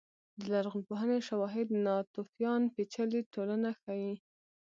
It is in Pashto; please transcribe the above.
د لرغونپوهنې شواهد ناتوفیان پېچلې ټولنه ښيي.